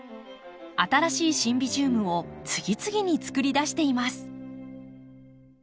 新しいシンビジウムを次々に作り出しています。